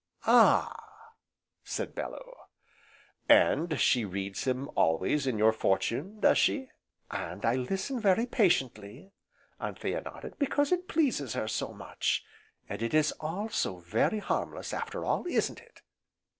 "Ah!" said Bellew, "and she reads him always in your fortune, does she?" "And I listen very patiently," Anthea nodded, "because it pleases her so much, and it is all so very harmless, after all, isn't it?"